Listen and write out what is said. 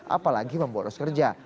apalagi memboros kerja